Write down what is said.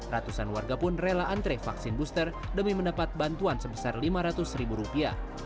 ratusan warga pun rela antre vaksin booster demi mendapat bantuan sebesar lima ratus ribu rupiah